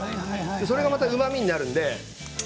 それがうまみになるので。